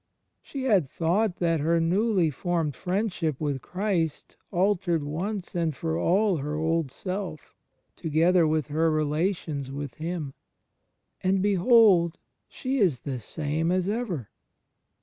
She had thought that her newly CHRIST IN THE INTERIOR SOUL 27 » formed friendship with Christ altered once and for all her old self, together with her relations with him; and, behold! she is the same as ever.